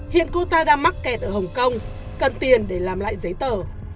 hiện cô ta đang mắc kẹt ở hồng kông cần tiền để làm lại giấy tờ